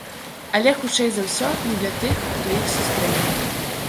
Але, хутчэй за ўсё, не для тых, хто іх сустрэне.